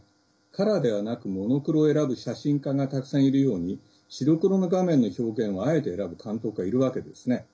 カラーではなくモノクロを選ぶ写真家がたくさんいるように白黒の画面の表現をあえて選ぶ監督がいるわけですね。